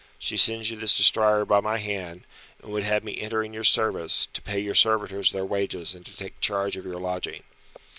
She sends you this destrier by my hand, and would have me enter in your service, to pay your servitors their wages and to take charge of your lodging."